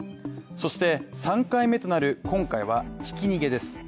そして３回目となる今回は、ひき逃げです。